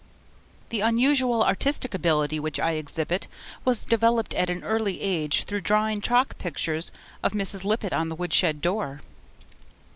The unusual artistic ability which I exhibit was developed at an early age through drawing chalk pictures of Mrs. Lippett on the woodshed door.